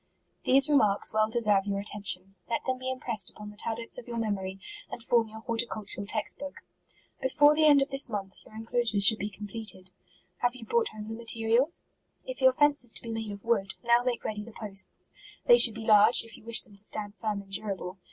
These remarks well deserve your atten tion. Let them be impressed upon the tab lets of your memory, and form your horti* cultural text book. Before the end of this month, your inclo sures should be completed. Have you brought home the materials? If your fence is to be made of wood, now make ready the posts ; they should be large, if you wish them 32 MARCH. to stand firm and durable.